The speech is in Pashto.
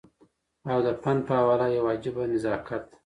او د فن په حواله يو عجيبه نزاکت